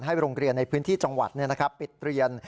โรงเรียนในพื้นที่จังหวัดปิดเรียน